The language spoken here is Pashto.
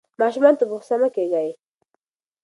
ماشومانو ته په غوسه مه کېږئ.